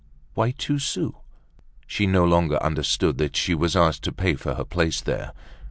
Why two sous? She no longer understood that she was asked to pay for her place there.